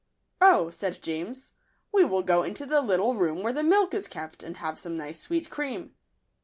" O," said James, " we will go into the little room where the milk is kept, and have some nice sweet cream."